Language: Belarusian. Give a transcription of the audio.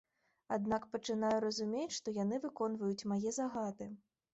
Аднак пачынаю разумець, што яны выконваюць мае загады!